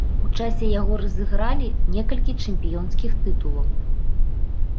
У часе яго разыгралі некалькі чэмпіёнскіх тытулаў.